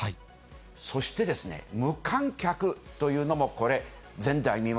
そして無観客というのも、これ、前代未聞。